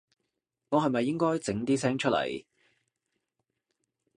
我係咪應該整啲聲出來